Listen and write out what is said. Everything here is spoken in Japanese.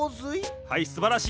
はいすばらしい。